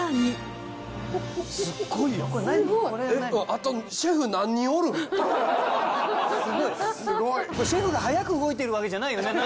これシェフが速く動いてるわけじゃないよね？